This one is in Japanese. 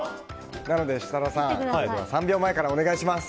なので設楽さん３秒前からお願いします。